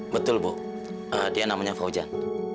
betul bu dia namanya faujan